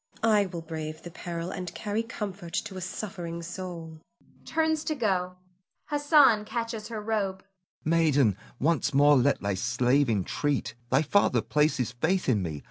I will brave the peril, and carry comfort to a suffering soul [turns to go; Hassan catches her robe]. Hassan. Maiden! once more let thy slave entreat. Thy father places faith in me.